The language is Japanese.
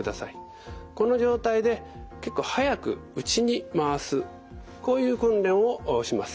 この状態で結構早く内に回すこういう訓練をします。